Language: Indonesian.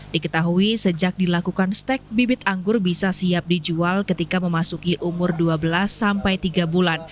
diketahui sejak dilakukan stek bibit anggur bisa siap dijual ketika memasuki umur dua belas sampai tiga bulan